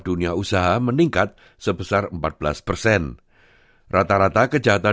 untuk memperkuat pembelaan cyber kita